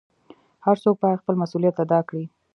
هر څوک بايد خپل مسؤليت ادا کړي .